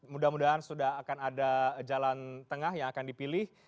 mudah mudahan sudah akan ada jalan tengah yang akan dipilih